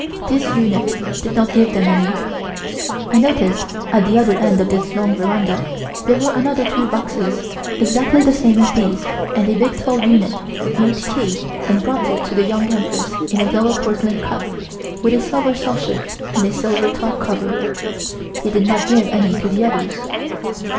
This eunuch did not give them any. I noticed at the other end of this long veranda there were another two boxes, exactly the same as these, and a big tall eunuch made tea and brought it to the Young Empress in a yellow porcelain cup, with a silver saucer and a silver top cover. He did not give any to the others.